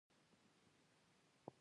ګلونه کله غوړیږي؟